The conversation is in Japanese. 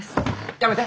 やめて。